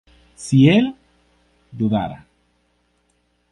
si él dudara